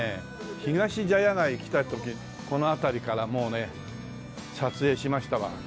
ひがし茶屋街来た時この辺りからもうね撮影しましたわ。